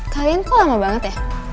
kalian kok lama banget ya